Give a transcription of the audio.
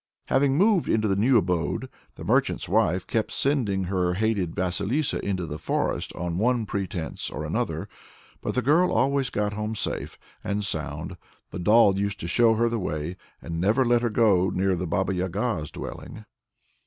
Having moved into the new abode, the merchant's wife kept sending her hated Vasilissa into the forest on one pretence or another. But the girl always got home safe and sound; the doll used to show her the way, and never let her go near the Baba Yaga's dwelling.